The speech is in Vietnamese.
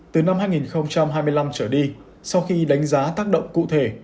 từ năm hai nghìn hai mươi năm trở đi sau khi đánh giá tác động cụ thể